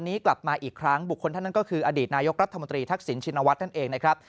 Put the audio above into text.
กลับมาอีกครั้งบุคคลท่านนั้นก็คืออดีตนายกรัฐมนตรีทักษิณชินวัฒน์นั่นเองนะครับ